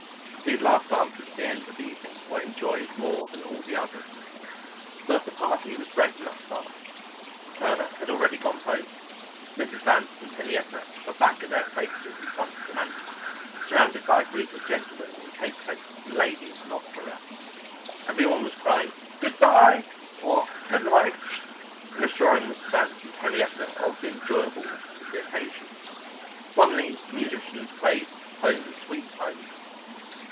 These last dances at the end of the evening were enjoyed more than all the others. But the party was breaking up fast: Turner had already gone home; Mrs. Vance and Henrietta were back at their places in front of the mantel, surrounded by a group of gentlemen in capecoats and ladies in opera wraps. Every one was crying "Good bye" or "Good night!" and assuring Mrs. Vance and Henrietta of the enjoyableness of the occasion. Suddenly the musicians played "Home Sweet Home."